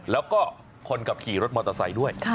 แล้วก็คนขับขี่รถมอเตอร์ไซค์ด้วย